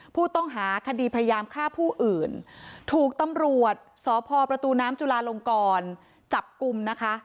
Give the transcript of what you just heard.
ผู้ต้องหาคดีพยายามฆ่าผู้อื่นถูกตำรวจสพประตูน้ำจุลาลงกรจับกลุ่มนะคะ